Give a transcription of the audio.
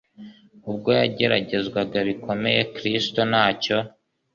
Ubwo yageragezwaga bikomeye, Kristo ntacyo